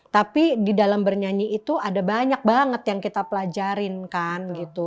tapi di dalam bernyanyi itu ada banyak banget yang kita pelajarin kan gitu